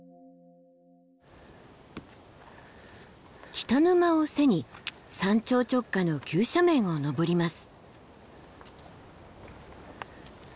北沼を背に山頂直下の急斜面を登ります。